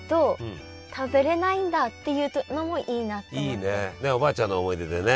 いいねおばあちゃんの思い出でね。